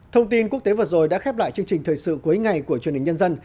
thông tin quốc tế vừa rồi đã khép lại chương trình thời sự cuối ngày của truyền hình nhân dân